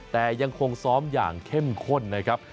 แต่ยังคงซ้อมอย่างเข้มข้นนะครับ